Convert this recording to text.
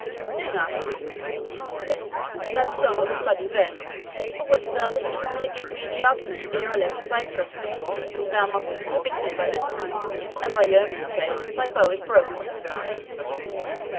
"Sing us," he said, "that song of the Bloody Vest, of which thou didst formerly give me the argument ere I left Cyprus. Thou must be perfect in it by this time, or, as our yeomen say, thy bow is broken."